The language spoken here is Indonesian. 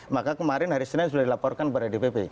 maka kemarin hari senin sudah dilaporkan kepada dpp